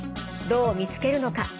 どう見つけるのか。